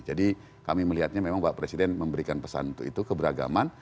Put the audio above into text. jadi kami melihatnya memang pak presiden memberikan pesan itu keberagaman